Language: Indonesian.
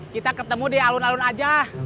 kita ketemu di alun alun aja